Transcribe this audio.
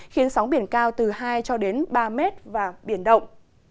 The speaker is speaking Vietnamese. khiến sóng biển cao từ hai ba m và biển động